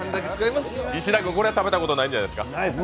石田君これは食べたことないんじゃないですか。